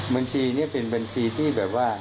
บัญชีนี้เป็นบัญชีที่แบบว่า